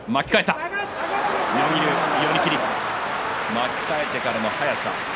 巻き替えてからの速さ。